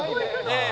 ええ。